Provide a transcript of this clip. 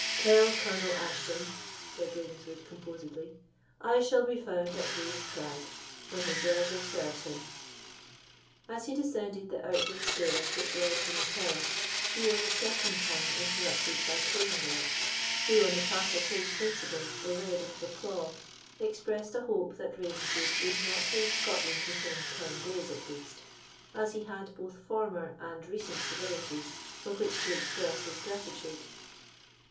"Tell Colonel Ashton," said Ravenswood, composedly, "I shall be found at Wolf's Crag when his leisure serves him." As he descended the outward stair which led from the terrace, he was a second time interrupted by Craigengelt, who, on the part of his principal, the Laird of Bucklaw, expressed a hope that Ravenswood would not leave Scotland within ten days at least, as he had both former and recent civilities for which to express his gratitude.